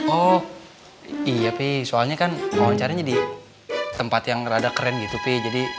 oh iya pi soalnya kan wawancaranya di tempat yang rada keren gitu pi